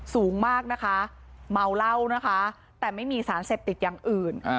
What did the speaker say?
สูงมากนะคะเมาเหล้านะคะแต่ไม่มีสารเสพติดอย่างอื่น